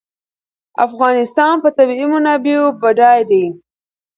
افغانستان په طبیعي منابعو بډای دی.